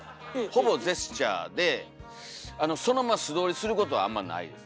ほぼジェスチャーでそのまま素通りすることはあんまないです。